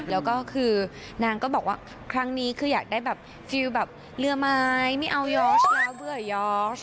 แล้วก็คือนางก็บอกว่าครั้งนี้คืออยากได้แบบฟิลแบบเรือไม้ไม่เอายอดแล้วเบื่อยอร์ช